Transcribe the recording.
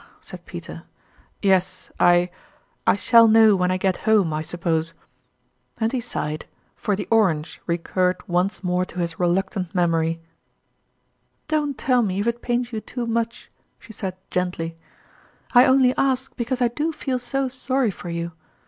said Peter, "yes, I I shall know when I get home, I suppose." And he sighed; for the orange recurred once more to his reluctant memory. " Don't tell me if it pains you too much," she said gently. " I only ask because I do feel QTlje JFonrtt) Ort)eqite. 89 so sorry for you.